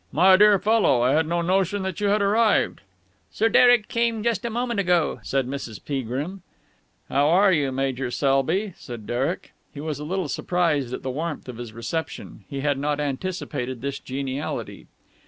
"My dear fellow! I had no notion that you had arrived!" "Sir Derek came just a moment ago," said Mrs. Peagrim. "How are you, Major Selby?" said Derek. He was a little surprised at the warmth of his reception. He had not anticipated this geniality.